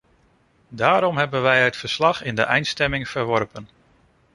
Daarom hebben wij het verslag in de eindstemming verworpen.